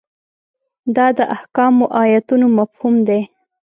دا د احکامو ایتونو مفهوم ده.